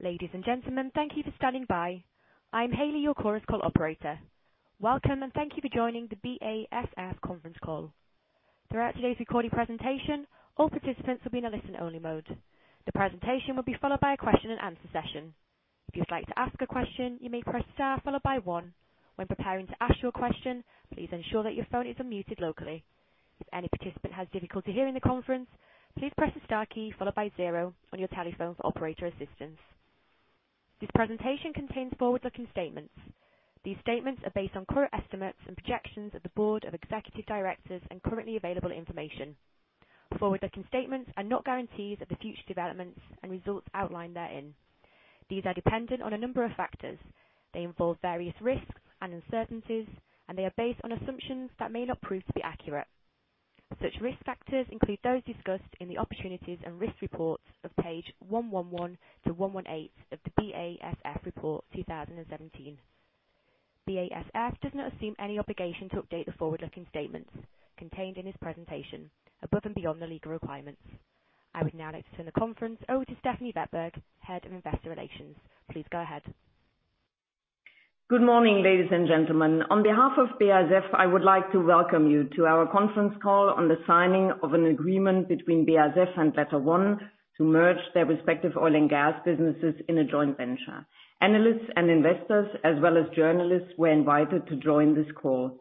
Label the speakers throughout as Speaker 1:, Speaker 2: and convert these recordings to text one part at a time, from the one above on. Speaker 1: Ladies and gentlemen, thank you for standing by. I'm Hayley, your Chorus Call operator. Welcome, and thank you for joining the BASF conference call. Throughout today's recorded presentation, all participants will be in a listen-only mode. The presentation will be followed by a question-and-answer session. If you'd like to ask a question, you may press star followed by one. When preparing to ask your question, please ensure that your phone is unmuted locally. If any participant has difficulty hearing the conference, please press the star key followed by zero on your telephone for operator assistance. This presentation contains forward-looking statements. These statements are based on current estimates and projections of the Board of Executive Directors and currently available information. Forward-looking statements are not guarantees of the future developments and results outlined therein. These are dependent on a number of factors. They involve various risks and uncertainties, and they are based on assumptions that may not prove to be accurate. Such risk factors include those discussed in the Opportunities and Risk Reports of page 111 to 118 of the BASF Report 2017. BASF does not assume any obligation to update the forward-looking statements contained in this presentation above and beyond the legal requirements. I would now like to turn the conference over to Stefanie Wettberg, Head of Investor Relations. Please go ahead.
Speaker 2: Good morning, ladies and gentlemen. On behalf of BASF, I would like to welcome you to our conference call on the signing of an agreement between BASF and LetterOne to merge their respective oil and gas businesses in a joint venture. Analysts and investors, as well as journalists, were invited to join this call.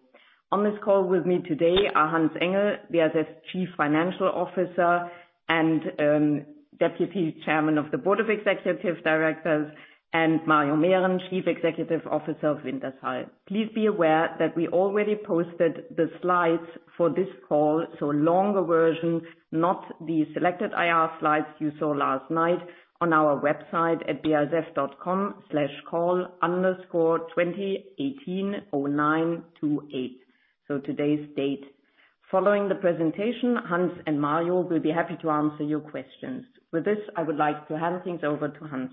Speaker 2: On this call with me today are Hans-Ulrich Engel, BASF's Chief Financial Officer and Deputy Chairman of the Board of Executive Directors, and Mario Mehren, Chief Executive Officer of Wintershall. Please be aware that we already posted the slides for this call, so a longer version, not the selected IR slides you saw last night on our website at basf.com/call_20180928, so today's date. Following the presentation, Hans and Mario will be happy to answer your questions. With this, I would like to hand things over to Hans.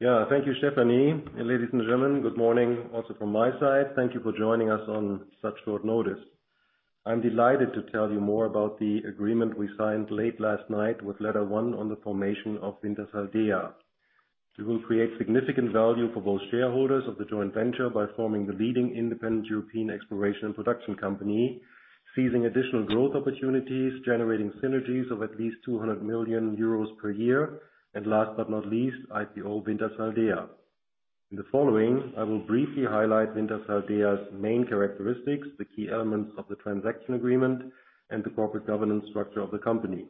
Speaker 3: Yeah. Thank you, Stephanie. Ladies and gentlemen, good morning also from my side. Thank you for joining us on such short notice. I'm delighted to tell you more about the agreement we signed late last night with LetterOne on the formation of Wintershall Dea. We will create significant value for both shareholders of the joint venture by forming the leading independent European exploration and production company, seizing additional growth opportunities, generating synergies of at least 200 million euros per year, and last but not least, IPO Wintershall Dea. In the following, I will briefly highlight Wintershall Dea's main characteristics, the key elements of the transaction agreement, and the corporate governance structure of the company.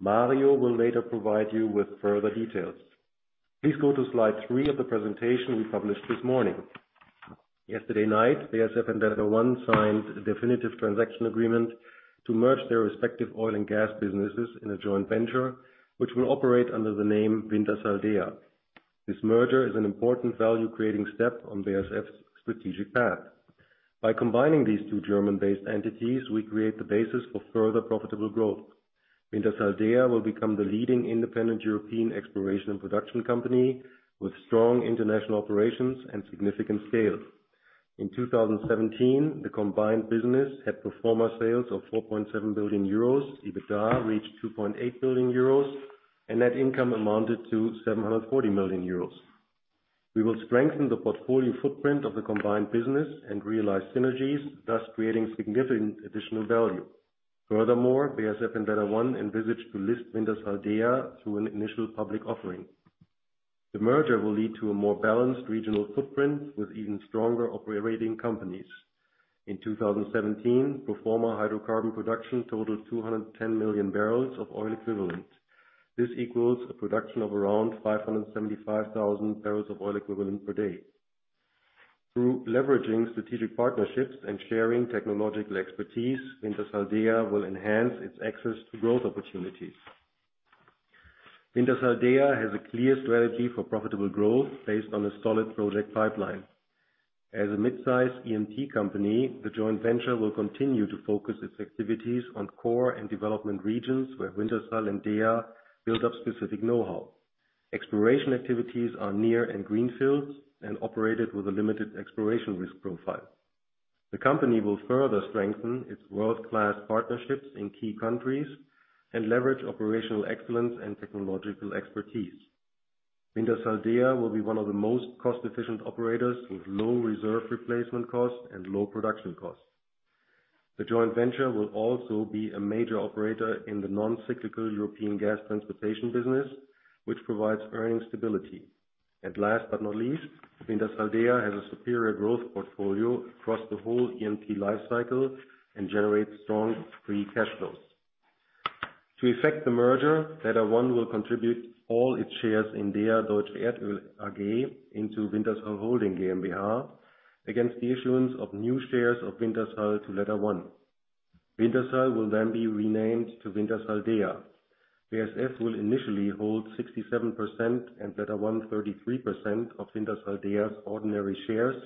Speaker 3: Mario will later provide you with further details. Please go to slide three of the presentation we published this morning. Yesterday night, BASF and LetterOne signed a definitive transaction agreement to merge their respective oil and gas businesses in a joint venture, which will operate under the name Wintershall Dea. This merger is an important value-creating step on BASF's strategic path. By combining these two German-based entities, we create the basis for further profitable growth. Wintershall Dea will become the leading independent European exploration and production company with strong international operations and significant scale. In 2017, the combined business had pro forma sales of 4.7 billion euros. EBITDA reached 2.8 billion euros, and net income amounted to 740 million euros. We will strengthen the portfolio footprint of the combined business and realize synergies, thus creating significant additional value. Furthermore, BASF and LetterOne envisage to list Wintershall Dea through an initial public offering. The merger will lead to a more balanced regional footprint with even stronger operating companies. In 2017, pro forma hydrocarbon production totaled 210 million barrels of oil equivalent. This equals a production of around 575,000 barrels of oil equivalent per day. Through leveraging strategic partnerships and sharing technological expertise, Wintershall Dea will enhance its access to growth opportunities. Wintershall Dea has a clear strategy for profitable growth based on a solid project pipeline. As a midsize E&P company, the joint venture will continue to focus its activities on core and development regions where Wintershall and DEA build up specific know-how. Exploration activities are near-field and greenfields and operated with a limited exploration risk profile. The company will further strengthen its world-class partnerships in key countries and leverage operational excellence and technological expertise. Wintershall Dea will be one of the most cost-efficient operators with low reserve replacement costs and low production costs. The joint venture will also be a major operator in the non-cyclical European gas transportation business, which provides earning stability. Last but not least, Wintershall Dea has a superior growth portfolio across the whole E&P life cycle and generates strong free cash flows. To effect the merger, LetterOne will contribute all its shares in DEA Deutsche Erdöl AG into Wintershall Holding GmbH against the issuance of new shares of Wintershall to LetterOne. Wintershall will then be renamed to Wintershall Dea. BASF will initially hold 67% and LetterOne 33% of Wintershall Dea's ordinary shares,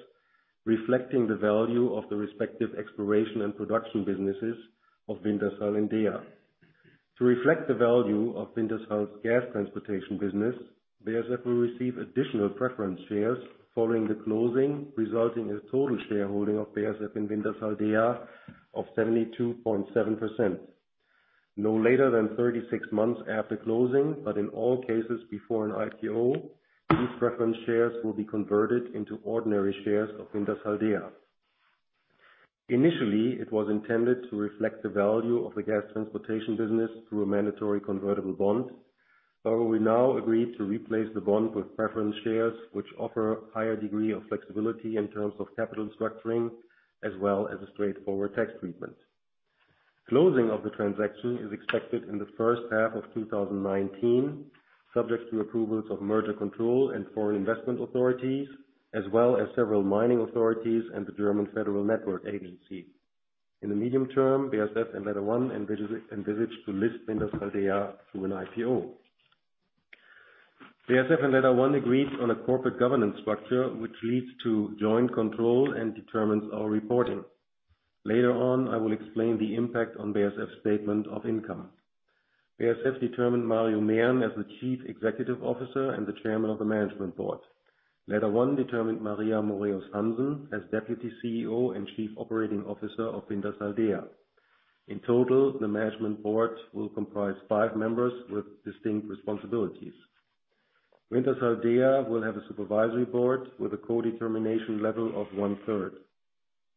Speaker 3: reflecting the value of the respective exploration and production businesses of Wintershall and DEA. To reflect the value of Wintershall's gas transportation business, BASF will receive additional preference shares following the closing, resulting in total shareholding of BASF in Wintershall Dea of 72.7%. No later than 36 months after closing, but in all cases before an IPO, these preference shares will be converted into ordinary shares of Wintershall Dea. Initially, it was intended to reflect the value of the gas transportation business through a mandatory convertible bond. However, we now agree to replace the bond with preference shares, which offer higher degree of flexibility in terms of capital structuring as well as a straightforward tax treatment. Closing of the transaction is expected in the first half of 2019, subject to approvals of merger control and foreign investment authorities, as well as several mining authorities and the German Federal Network Agency. In the medium term, BASF and LetterOne envisage to list Wintershall Dea through an IPO. BASF and LetterOne agrees on a corporate governance structure which leads to joint control and determines our reporting. Later on, I will explain the impact on BASF statement of income. BASF determined Mario Mehren as the Chief Executive Officer and the Chairman of the Management Board. LetterOne determined Maria Moraeus Hanssen as Deputy CEO and Chief Operating Officer of Wintershall Dea. In total, the management board will comprise five members with distinct responsibilities. Wintershall Dea will have a supervisory board with a co-determination level of 1/3.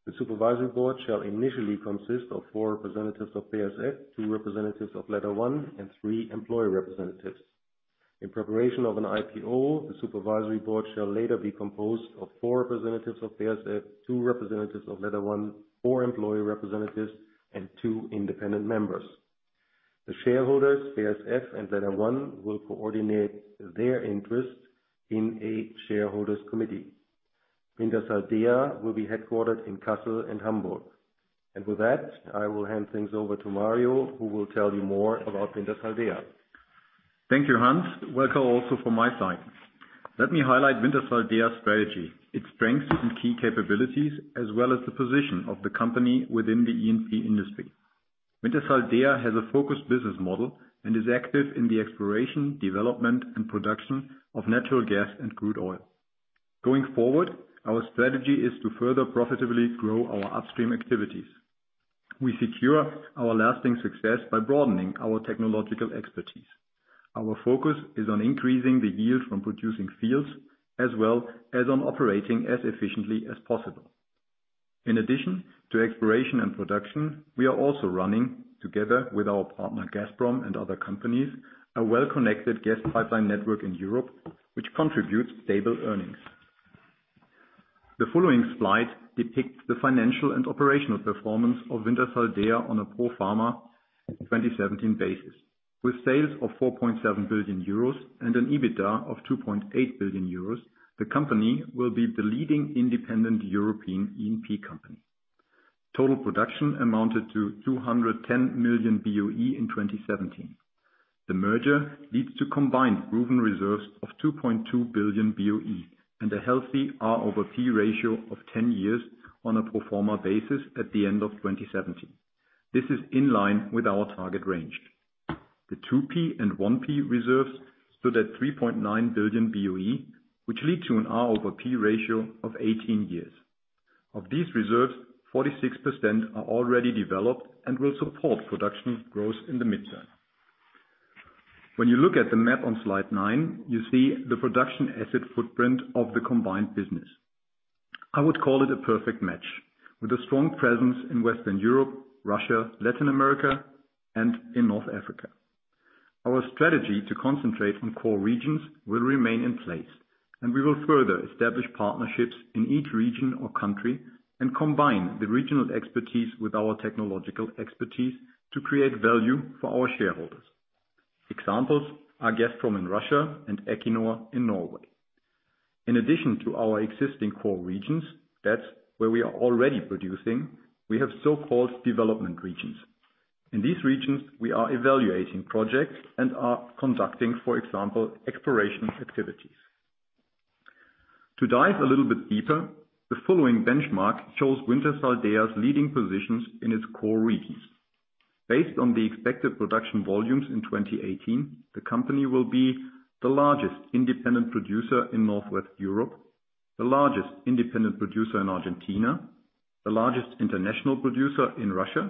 Speaker 3: The supervisory board shall initially consist of four representatives of BASF, two representatives of LetterOne, and three employee representatives. In preparation of an IPO, the supervisory board shall later be composed of four representatives of BASF, two representatives of LetterOne, four employee representatives, and two independent members. The shareholders, BASF and LetterOne, will coordinate their interest in a shareholders committee. Wintershall Dea will be headquartered in Kassel and Hamburg. With that, I will hand things over to Mario, who will tell you more about Wintershall Dea.
Speaker 4: Thank you, Hans. Welcome also from my side. Let me highlight Wintershall Dea's strategy, its strengths and key capabilities, as well as the position of the company within the E&P industry. Wintershall Dea has a focused business model and is active in the exploration, development, and production of natural gas and crude oil. Going forward, our strategy is to further profitably grow our upstream activities. We secure our lasting success by broadening our technological expertise. Our focus is on increasing the yield from producing fields, as well as on operating as efficiently as possible. In addition to exploration and production, we are also running together with our partner, Gazprom, and other companies, a well-connected gas pipeline network in Europe, which contributes stable earnings. The following slide depicts the financial and operational performance of Wintershall Dea on a pro forma 2017 basis. With sales of 4.7 billion euros and an EBITDA of 2.8 billion euros, the company will be the leading independent European E&P company. Total production amounted to 210 million BOE in 2017. The merger leads to combined proven reserves of 2.2 billion BOE and a healthy R/P ratio of 10 years on a pro forma basis at the end of 2017. This is in line with our target range. The 2P and 1P reserves stood at 3.9 billion BOE, which lead to an R/P ratio of 18 years. Of these reserves, 46% are already developed and will support production growth in the midterm. When you look at the map on slide nine, you see the production asset footprint of the combined business. I would call it a perfect match with a strong presence in Western Europe, Russia, Latin America, and in North Africa. Our strategy to concentrate on core regions will remain in place, and we will further establish partnerships in each region or country and combine the regional expertise with our technological expertise to create value for our shareholders. Examples are Gazprom in Russia and Equinor in Norway. In addition to our existing core regions, that's where we are already producing, we have so-called development regions. In these regions, we are evaluating projects and are conducting, for example, exploration activities. To dive a little bit deeper, the following benchmark shows Wintershall Dea's leading positions in its core regions. Based on the expected production volumes in 2018, the company will be the largest independent producer in Northwest Europe, the largest independent producer in Argentina, the largest international producer in Russia,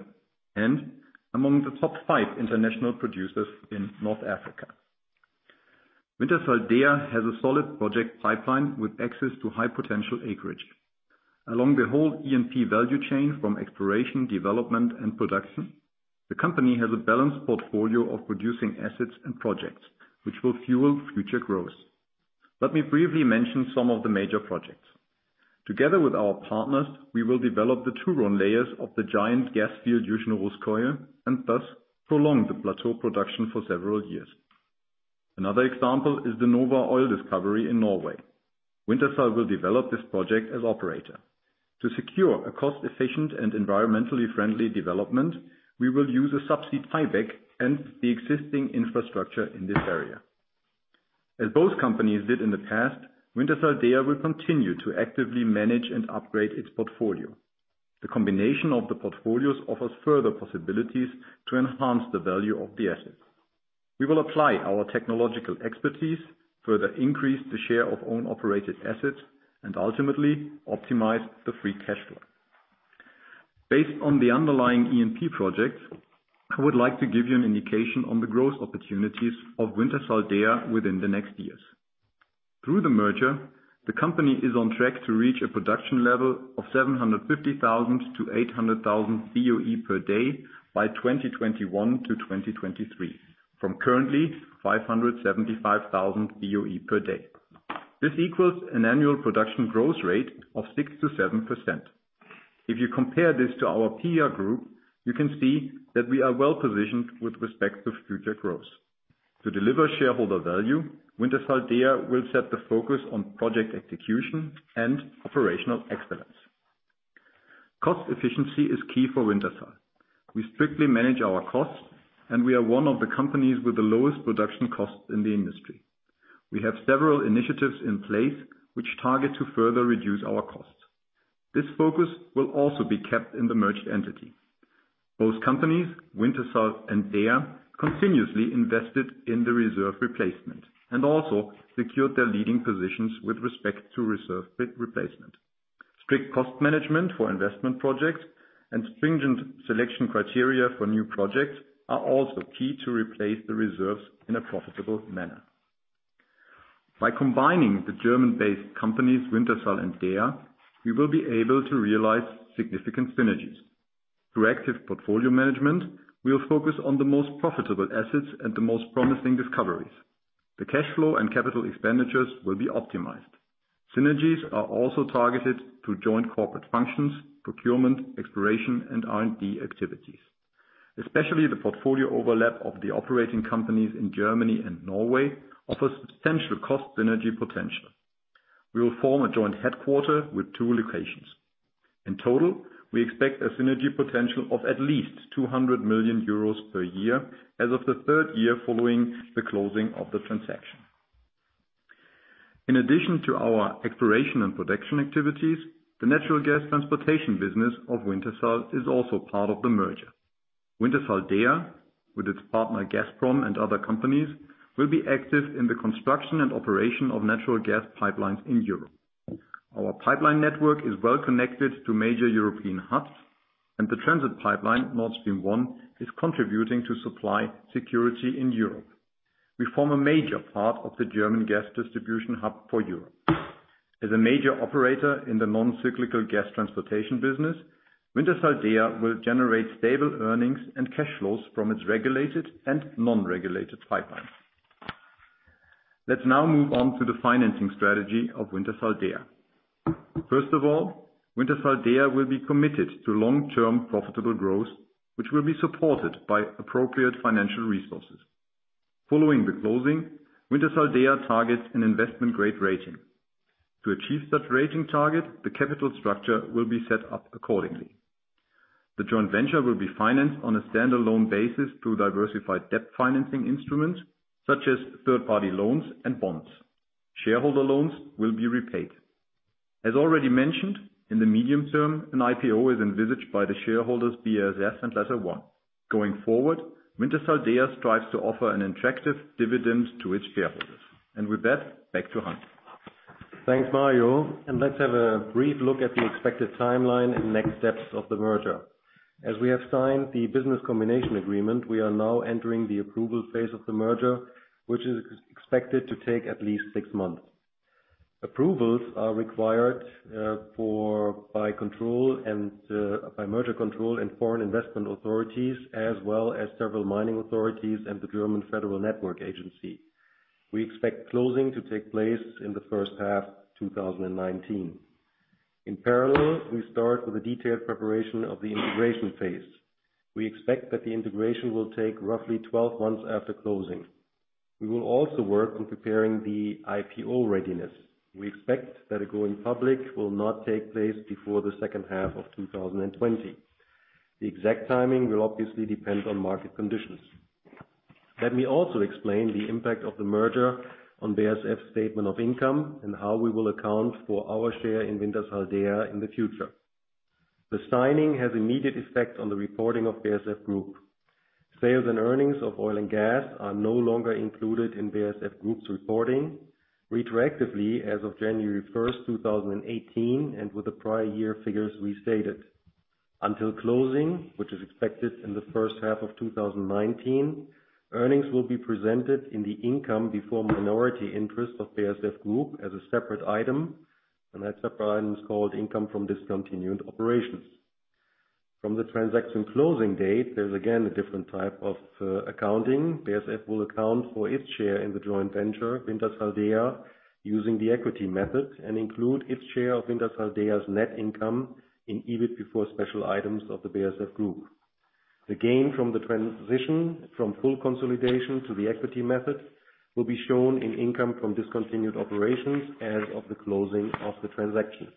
Speaker 4: and among the top five international producers in North Africa. Wintershall Dea has a solid project pipeline with access to high potential acreage. Along the whole E&P value chain from exploration, development, and production, the company has a balanced portfolio of producing assets and projects which will fuel future growth. Let me briefly mention some of the major projects. Together with our partners, we will develop the Turonian layers of the giant gas field Yuzhno-Russkoye, and thus prolong the plateau production for several years. Another example is the Nova oil discovery in Norway. Wintershall will develop this project as operator. To secure a cost-efficient and environmentally friendly development, we will use a subsea tieback and the existing infrastructure in this area. As both companies did in the past, Wintershall Dea will continue to actively manage and upgrade its portfolio. The combination of the portfolios offers further possibilities to enhance the value of the assets. We will apply our technological expertise, further increase the share of own operated assets, and ultimately optimize the free cash flow. Based on the underlying E&P projects, I would like to give you an indication on the growth opportunities of Wintershall Dea within the next years. Through the merger, the company is on track to reach a production level of 750,000-800,000 BOE per day by 2021-2023, from currently 575,000 BOE per day. This equals an annual production growth rate of 6%-7%. If you compare this to our peer group, you can see that we are well-positioned with respect to future growth. To deliver shareholder value, Wintershall Dea will set the focus on project execution and operational excellence. Cost efficiency is key for Wintershall. We strictly manage our costs, and we are one of the companies with the lowest production costs in the industry. We have several initiatives in place which target to further reduce our costs. This focus will also be kept in the merged entity. Both companies, Wintershall and DEA, continuously invested in the reserve replacement and also secured their leading positions with respect to reserve replacement. Strict cost management for investment projects and stringent selection criteria for new projects are also key to replace the reserves in a profitable manner. By combining the German-based companies, Wintershall and DEA, we will be able to realize significant synergies. Through active portfolio management, we'll focus on the most profitable assets and the most promising discoveries. The cash flow and capital expenditures will be optimized. Synergies are also targeted to joint corporate functions, procurement, exploration, and R&D activities. Especially the portfolio overlap of the operating companies in Germany and Norway offers substantial cost synergy potential. We will form a joint headquarters with two locations. In total, we expect a synergy potential of at least 200 million euros per year as of the third year following the closing of the transaction. In addition to our exploration and production activities, the natural gas transportation business of Wintershall is also part of the merger. Wintershall Dea, with its partner, Gazprom, and other companies, will be active in the construction and operation of natural gas pipelines in Europe. Our pipeline network is well-connected to major European hubs, and the transit pipeline, Nord Stream 1, is contributing to supply security in Europe. We form a major part of the German gas distribution hub for Europe. As a major operator in the non-cyclical gas transportation business, Wintershall Dea will generate stable earnings and cash flows from its regulated and non-regulated pipelines. Let's now move on to the financing strategy of Wintershall Dea. First of all, Wintershall Dea will be committed to long-term profitable growth, which will be supported by appropriate financial resources. Following the closing, Wintershall Dea targets an investment-grade rating. To achieve that rating target, the capital structure will be set up accordingly. The joint venture will be financed on a stand-alone basis through diversified debt financing instruments such as third-party loans and bonds. Shareholder loans will be repaid. As already mentioned, in the medium term, an IPO is envisaged by the shareholders, BASF and LetterOne. Going forward, Wintershall Dea strives to offer an attractive dividend to its shareholders. With that, back to Hans.
Speaker 3: Thanks, Mario. Let's have a brief look at the expected timeline and next steps of the merger. As we have signed the business combination agreement, we are now entering the approval phase of the merger, which is expected to take at least six months. Approvals are required for merger control and foreign investment authorities, as well as several mining authorities and the German Federal Network Agency. We expect closing to take place in the first half of 2019. In parallel, we start with the detailed preparation of the integration phase. We expect that the integration will take roughly 12 months after closing. We will also work on preparing the IPO readiness. We expect that going public will not take place before the second half of 2020. The exact timing will obviously depend on market conditions. Let me also explain the impact of the merger on BASF statement of income and how we will account for our share in Wintershall Dea in the future. The signing has immediate effect on the reporting of BASF Group. Sales and earnings of oil and gas are no longer included in BASF Group's reporting retroactively as of January 1st, 2018, and with the prior year figures restated. Until closing, which is expected in the first half of 2019, earnings will be presented in the income before minority interest of BASF Group as a separate item, and that separate item is called income from discontinued operations. From the transaction closing date, there's again a different type of accounting. BASF will account for its share in the joint venture of Wintershall Dea using the equity method and include its share of Wintershall Dea's net income in EBIT before special items of the BASF Group. The gain from the transition from full consolidation to the equity method will be shown in income from discontinued operations as of the closing of the transaction.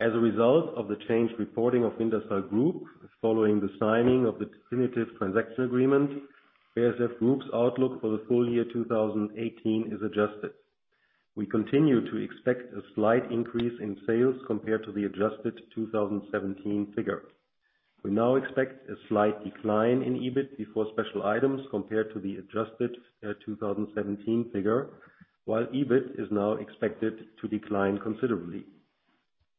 Speaker 3: As a result of the changed reporting of Wintershall Group following the signing of the definitive transaction agreement, BASF Group's outlook for the full year 2018 is adjusted. We continue to expect a slight increase in sales compared to the adjusted 2017 figure. We now expect a slight decline in EBIT before special items compared to the adjusted 2017 figure, while EBIT is now expected to decline considerably.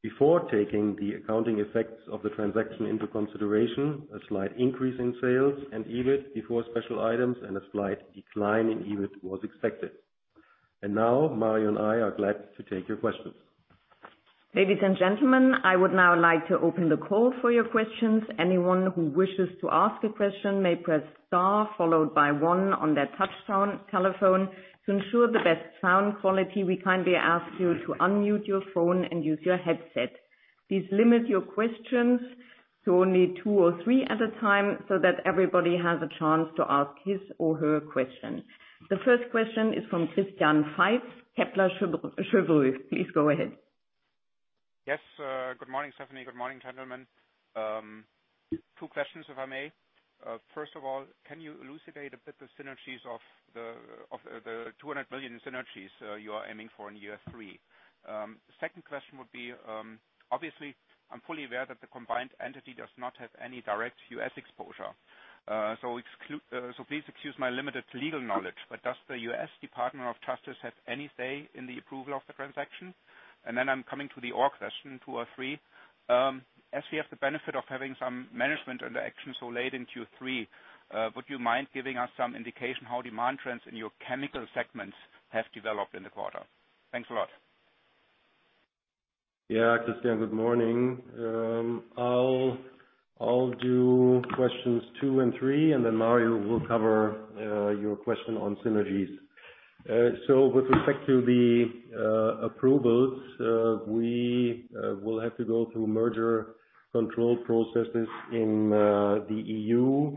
Speaker 3: Before taking the accounting effects of the transaction into consideration, a slight increase in sales and EBIT before special items and a slight decline in EBIT was expected. Now, Mario and I are glad to take your questions.
Speaker 2: Ladies and gentlemen, I would now like to open the call for your questions. Anyone who wishes to ask a question may press star followed by one on their touchtone telephone. To ensure the best sound quality, we kindly ask you to unmute your phone and use your headset. Please limit your questions to only two or three at a time so that everybody has a chance to ask his or her question. The first question is from Christian Faitz, Kepler Cheuvreux. Please go ahead.
Speaker 5: Yes. Good morning, Stephanie. Good morning, gentlemen. Two questions, if I may. First of all, can you elucidate a bit the synergies of the 200 million synergies you are aiming for in year three? Second question would be, obviously, I'm fully aware that the combined entity does not have any direct US exposure. So please excuse my limited legal knowledge, but does the US Department of Justice have any say in the approval of the transaction? Then I'm coming to our question two or three. As we have the benefit of having some management interaction so late in Q3, would you mind giving us some indication how demand trends in your chemical segments have developed in the quarter? Thanks a lot.
Speaker 3: Yeah. Christian, good morning. I'll do questions two and three, and then Mario will cover your question on synergies. With respect to the approvals, we will have to go through merger control processes in the EU,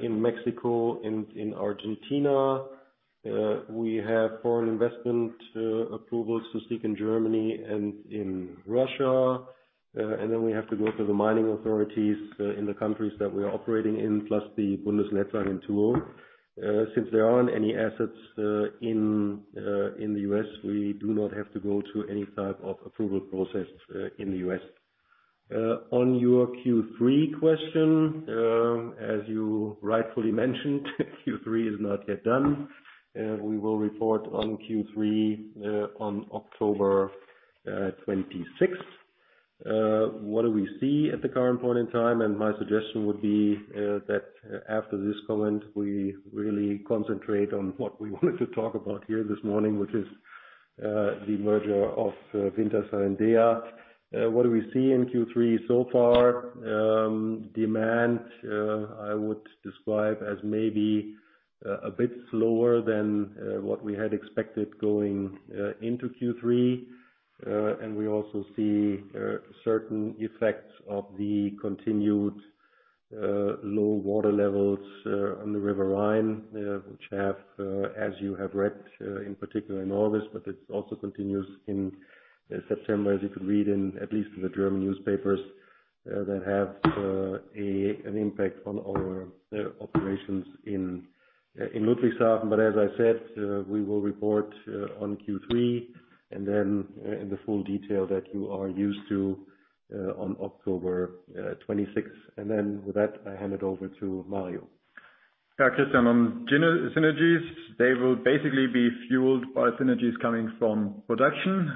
Speaker 3: in Mexico and in Argentina. We have foreign investment approvals to seek in Germany and in Russia. We have to go through the mining authorities in the countries that we are operating in, plus the Bundesnetzagentur. Since there aren't any assets in the US, we do not have to go through any type of approval process in the US On your Q3 question, as you rightfully mentioned, Q3 is not yet done. We will report on Q3 on October 26th. What do we see at the current point in time? My suggestion would be that after this comment, we really concentrate on what we wanted to talk about here this morning, which is the merger of Wintershall and DEA. What do we see in Q3 so far? Demand I would describe as maybe a bit slower than what we had expected going into Q3. We also see certain effects of the continued low water levels on the River Rhine, which have, as you have read, in particular in August, but it also continues in September, as you could read, at least in the German newspapers, that have an impact on our operations in Ludwigshafen. As I said, we will report on Q3 and then in the full detail that you are used to on October 26th. Then with that, I hand it over to Mario.
Speaker 4: Yeah, Christian, on synergies, they will basically be fueled by synergies coming from production,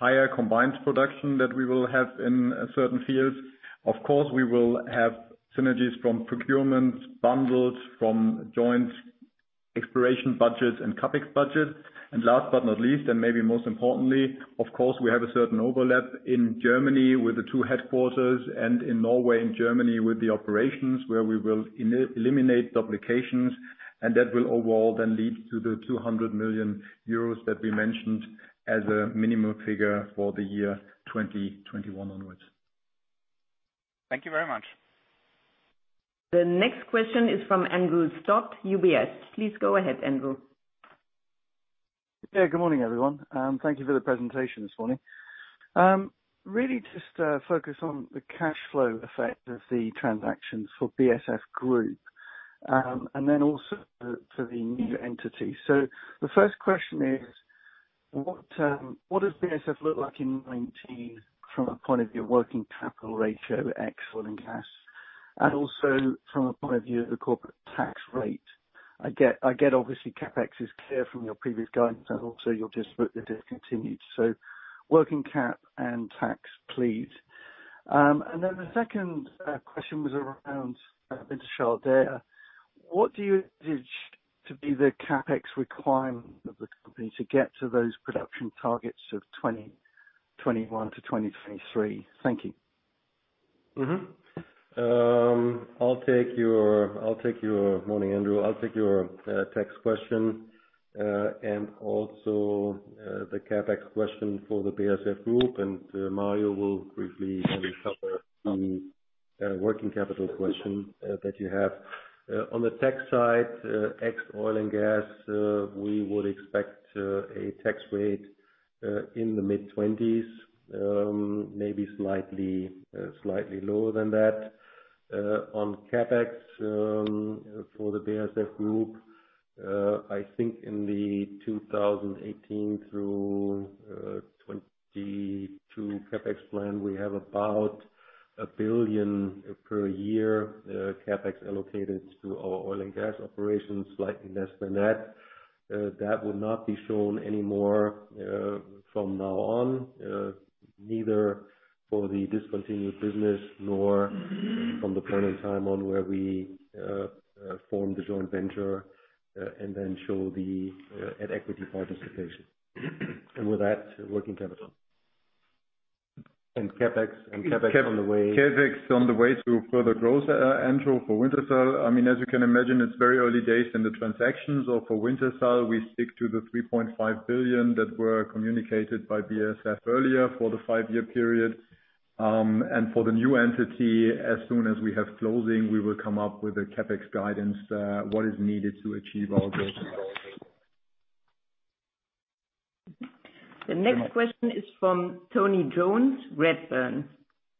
Speaker 4: higher combined production that we will have in certain fields. Of course, we will have synergies from procurement bundles, from joint exploration budgets and CapEx budgets. Last but not least, and maybe most importantly, of course, we have a certain overlap in Germany with the two headquarters and in Norway and Germany with the operations where we will eliminate duplications, and that will overall then lead to the 200 million euros that we mentioned as a minimum figure for the year 2021 onwards.
Speaker 5: Thank you very much.
Speaker 2: The next question is from Andrew Stott, UBS. Please go ahead, Andrew.
Speaker 6: Yeah, good morning, everyone. Thank you for the presentation this morning. Really just focus on the cash flow effect of the transactions for BASF Group, and then also for the new entity. The first question is, what does BASF look like in 2019 from a point of view of working capital ratio, ex oil and gas, and also from a point of view of the corporate tax rate? I get obviously CapEx is clear from your previous guidance, and also you'll just put the discontinued. Working cap and tax, please. The second question was around Wintershall Dea. What do you envisage to be the CapEx requirement of the company to get to those production targets of 2021-2023? Thank you.
Speaker 3: Morning, Andrew. I'll take your tax question and also the CapEx question for the BASF Group, and Mario will briefly maybe cover the working capital question that you have. On the tax side, ex oil and gas, we would expect a tax rate in the mid 20%, maybe slightly lower than that. On CapEx, for the BASF Group, I think in the 2018-2022 CapEx plan, we have about 1 billion per year CapEx allocated to our oil and gas operations, slightly less than that. That would not be shown anymore from now on, neither for the discontinued business nor from the point in time on where we form the joint venture, and then show the at equity participation. With that, working capital. CapEx on the way to further growth, Andrew, for Wintershall. I mean, as you can imagine, it's very early days in the transactions. For Wintershall, we stick to the 3.5 billion that were communicated by BASF earlier for the five year period. For the new entity, as soon as we have closing, we will come up with a CapEx guidance what is needed to achieve our goals and so on.
Speaker 2: The next question is from Tony Jones, Redburn.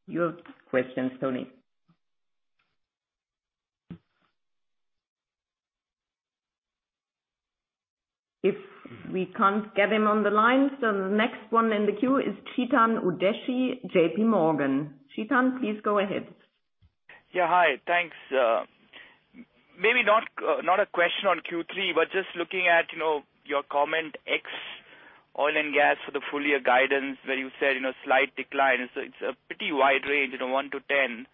Speaker 2: Your questions, Tony. If we can't get him on the line, so the next one in the queue is Chetan Udeshi, JPMorgan. Chetan, please go ahead.
Speaker 7: Hi, thanks. Maybe not a question on Q3, but just looking at, you know, your comment ex oil and gas for the full year guidance where you said, you know, slight decline. It's a pretty wide range, you know, 1%-10%.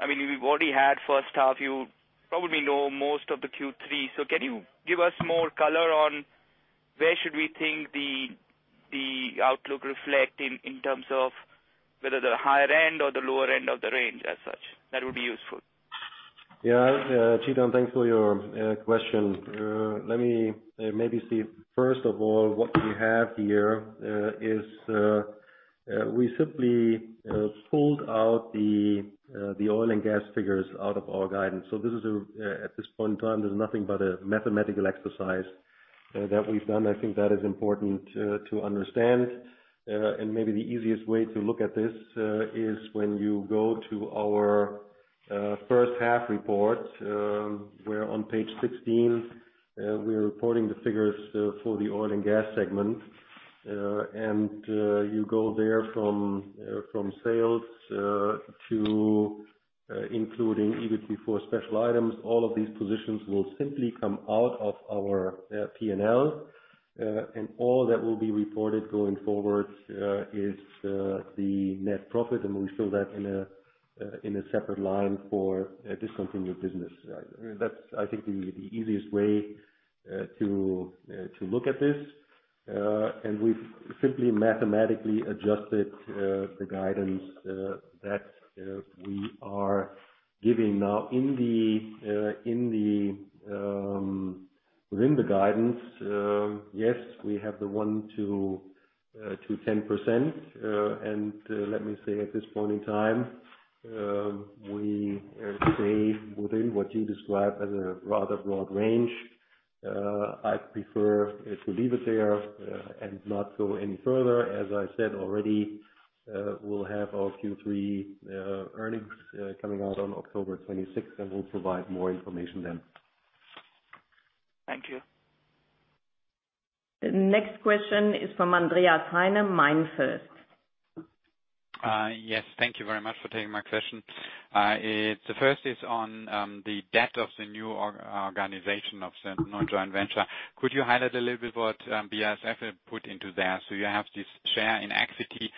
Speaker 7: I mean, we've already had first half. You probably know most of the Q3. Can you give us more color on where should we think the outlook reflect in terms of whether the higher end or the lower end of the range as such? That would be useful.
Speaker 3: Yeah. Chetan, thanks for your question. Let me maybe see. First of all, what we have here is we simply pulled out the oil and gas figures out of our guidance. This is at this point in time, there's nothing but a mathematical exercise that we've done. I think that is important to understand. Maybe the easiest way to look at this is when you go to our first half report, where on page 16, we're reporting the figures for the oil and gas segment. You go there from sales to EBIT before special items. All of these positions will simply come out of our P&L. All that will be reported going forward is the net profit, and we show that in a separate line for a discontinued business. That's, I think, the easiest way to look at this. We've simply mathematically adjusted the guidance that we are giving now. Within the guidance, yes, we have the 1%-10%. Let me say at this point in time, we stay within what you describe as a rather broad range. I'd prefer to leave it there and not go any further. As I said already, we'll have our Q3 earnings coming out on October 26th, and we'll provide more information then.
Speaker 7: Thank you.
Speaker 2: The next question is from Andreas Heine, MainFirst.
Speaker 8: Yes. Thank you very much for taking my question. The first is on the debt of the new organization of the new joint venture. Could you highlight a little bit what BASF have put into there? So you have this share in equity,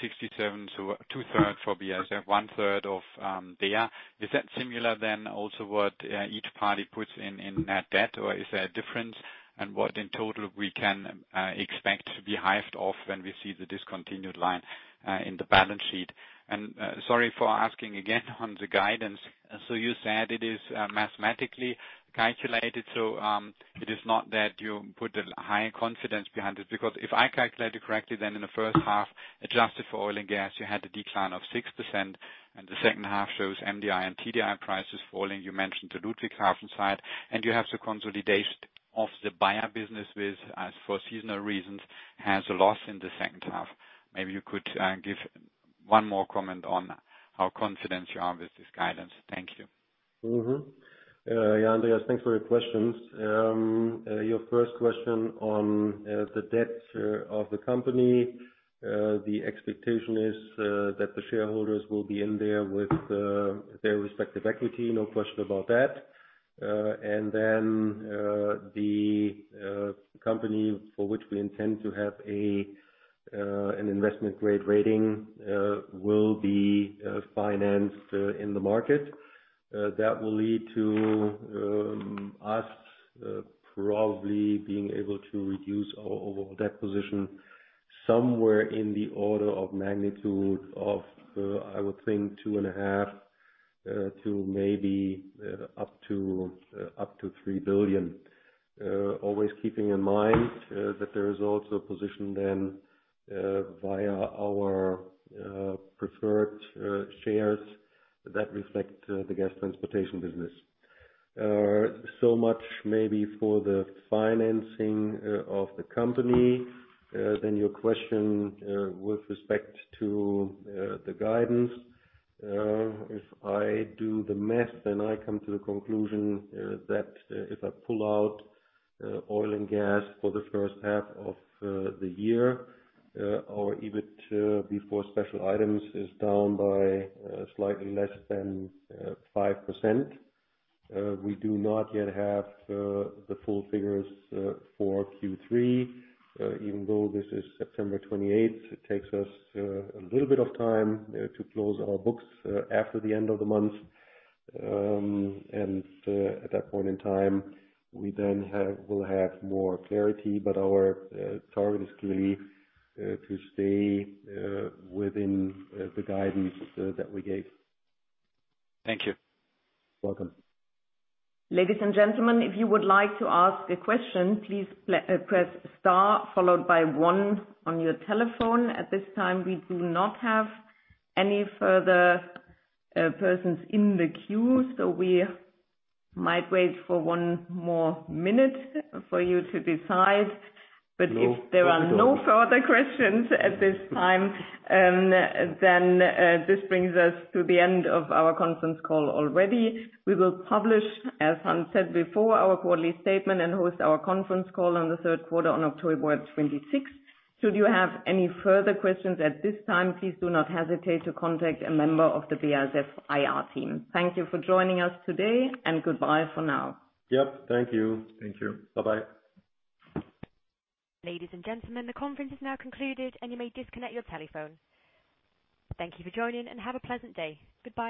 Speaker 8: 67, so 2/3 of BASF, 1/3 of DEA. Is that similar then also what each party puts in net debt, or is there a difference in what in total we can expect to be hived off when we see the discontinued line in the balance sheet? Sorry for asking again on the guidance. So you said it is mathematically calculated, so it is not that you put a high confidence behind it. Because if I calculate it correctly, then in the first half, adjusted for oil and gas, you had a decline of 6%, and the second half shows MDI and TDI prices falling. You mentioned the Ludwigshafen side, and you have the consolidation of the Bayer business with, as for seasonal reasons, has a loss in the second half. Maybe you could give one more comment on how confident you are with this guidance. Thank you.
Speaker 3: Yeah, Andreas, thanks for your questions. Your first question on the debt of the company. The expectation is that the shareholders will be in there with their respective equity, no question about that. The company for which we intend to have an investment-grade rating will be financed in the market. That will lead to us probably being able to reduce our overall debt position somewhere in the order of magnitude of, I would think, 2.5 billion-3 billion. Always keeping in mind that there is also a position then via our preferred shares that reflect the gas transportation business. Much maybe for the financing of the company. Your question with respect to the guidance. If I do the math, then I come to the conclusion that if I pull out oil and gas for the first half of the year, our EBIT before special items is down by slightly less than 5%. We do not yet have the full figures for Q3. Even though this is September 28th, it takes us a little bit of time to close our books after the end of the month. At that point in time, we'll have more clarity. Our target is clear to stay within the guidance that we gave.
Speaker 8: Thank you.
Speaker 3: Welcome.
Speaker 2: Ladies and gentlemen, if you would like to ask a question, please press star followed by one on your telephone. At this time, we do not have any further persons in the queue, so we might wait for one more minute for you to decide. If there are no further questions at this time, then this brings us to the end of our conference call already. We will publish, as Hans said before, our quarterly statement and host our conference call on the third quarter on October 26th. Should you have any further questions at this time, please do not hesitate to contact a member of the BASF IR team. Thank you for joining us today, and goodbye for now.
Speaker 3: Yep, thank you.
Speaker 4: Thank you. Bye-bye.
Speaker 1: Ladies and gentlemen, the conference is now concluded, and you may disconnect your telephone. Thank you for joining, and have a pleasant day. Goodbye.